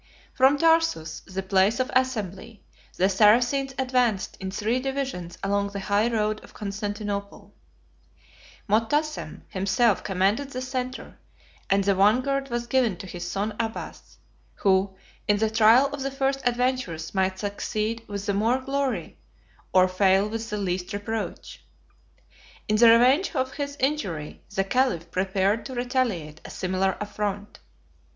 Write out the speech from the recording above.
From Tarsus, the place of assembly, the Saracens advanced in three divisions along the high road of Constantinople: Motassem himself commanded the centre, and the vanguard was given to his son Abbas, who, in the trial of the first adventures, might succeed with the more glory, or fail with the least reproach. In the revenge of his injury, the caliph prepared to retaliate a similar affront.